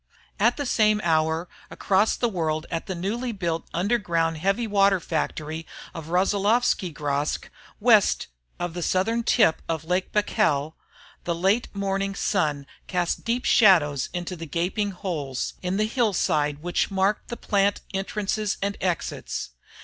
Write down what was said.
At the same hour, across the world at the newly built underground heavy water factory of Rossilovskigorsk, west of the southern tip of Lake Baikal, the late morning sun cast deep shadows into the gaping holes in the hillside which marked the plant entrances and exits.